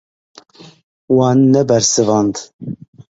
Wan nebersivand.